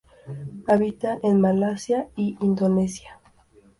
Habita en Malasia y Indonesia.